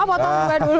oh potong juga dulu